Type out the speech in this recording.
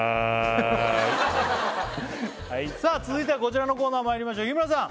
続いてはこちらのコーナーまいりましょう日村さん